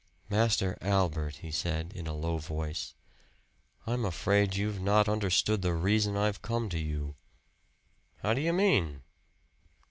"Master Albert," he said, in a low voice, "I'm afraid you've not understood the reason I've come to you." "How do you mean?"